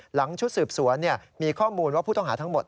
ชุดสืบสวนมีข้อมูลว่าผู้ต้องหาทั้งหมด